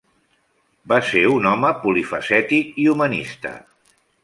Va ser un home polifacètic i humanista.